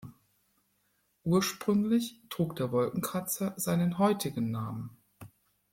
Ursprünglich trug der Wolkenkratzer seinen heutigen Namen.